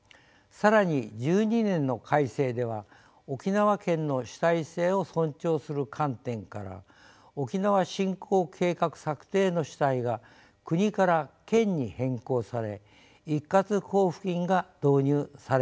更に１２年の改正では沖縄県の主体性を尊重する観点から沖縄振興計画策定の主体が国から県に変更され一括交付金が導入されました。